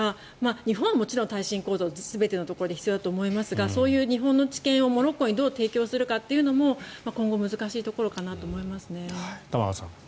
日本はもちろん耐震構造が全てのところで必要だと思いますがそういう日本の知見をモロッコにどう提供するかというのも今後、難しいところかなと思いますね。